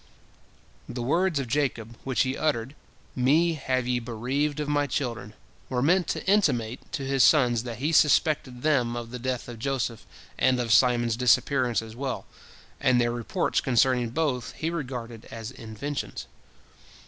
" The words of Jacob, which he uttered, "Me have ye bereaved of my children," were meant to intimate to his sons that he suspected them of the death of Joseph and of Simon's disappearance as well, and their reports concerning both he regarded as inventions.